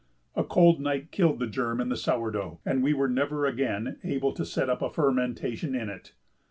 A cold night killed the germ in the sour dough, and we were never again able to set up a fermentation in it.